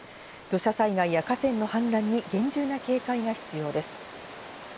土砂災害や河川の氾濫に厳重な警戒が必要です。